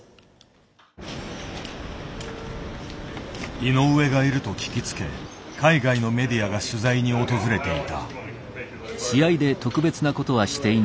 井上がいると聞きつけ海外のメディアが取材に訪れていた。